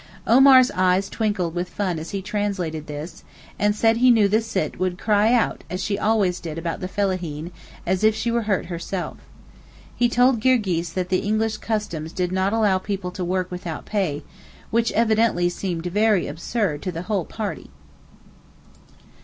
Omar's eyes twinkled with fun as he translated this, and said he knew the Sitt would cry out, as she always did about the Fellaheen, as if she were hurt herself. He told Girgis that the English customs did not allow people to work without pay, which evidently seemed very absurd to the whole party.